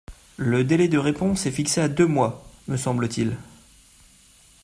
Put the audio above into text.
Le délai de réponse est fixé à deux mois, me semble-t-il.